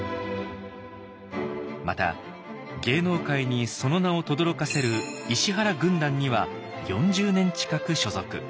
また芸能界にその名をとどろかせる「石原軍団」には４０年近く所属。